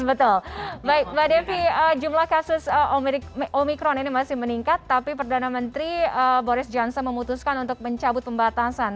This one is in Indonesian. betul baik mbak devi jumlah kasus omikron ini masih meningkat tapi perdana menteri boris johnson memutuskan untuk mencabut pembatasan